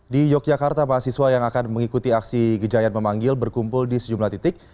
di yogyakarta mahasiswa yang akan mengikuti aksi gejayan memanggil berkumpul di sejumlah titik